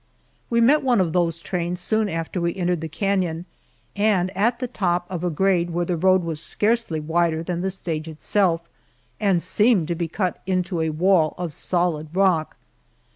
We met one of those trains soon after we entered the canon, and at the top of a grade where the road was scarcely wider than the stage itself and seemed to be cut into a wall of solid rock.